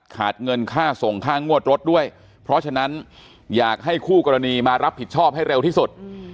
เงินค่าส่งค่างวดรถด้วยเพราะฉะนั้นอยากให้คู่กรณีมารับผิดชอบให้เร็วที่สุด